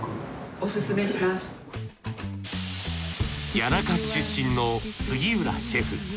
谷中出身の杉浦シェフ。